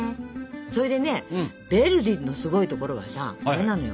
それでねヴェルディのすごいところはさあれなのよ。